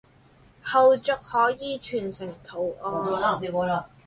後續可以存成圖檔